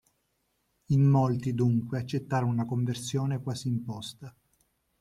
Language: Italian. In molti dunque accettarono una conversione quasi imposta.